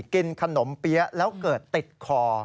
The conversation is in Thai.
กินขนมเปี๊ยะแล้วเกิดติดคอ